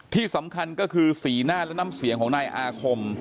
ที่สำคัญก็คือสีหน้าและน้ำเสียงของนายอาคม